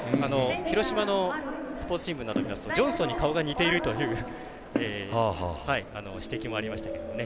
広島のスポーツ新聞などを見るとジョンソンに顔が似ているという指摘もありましたけどね。